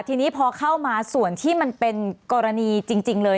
ทีนี้พอเข้ามาส่วนที่มันเป็นกรณีจริงเลย